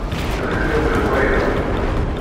Ad ak-d-awiɣ wayeḍ.